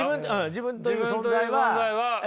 自分という存在は偶然。